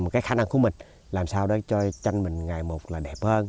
cái khả năng của mình làm sao đó cho tranh mình ngày một là đẹp hơn